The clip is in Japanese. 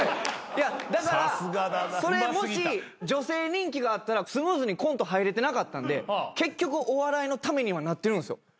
だからそれもし女性人気があったらスムーズにコント入れてなかったんで結局お笑いのためにはなってるんですよ。